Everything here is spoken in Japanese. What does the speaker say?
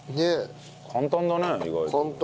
簡単だね意外と。